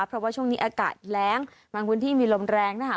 เพราะว่าช่วงนี้อากาศแร้งบางพื้นที่มีลมแรงนะคะ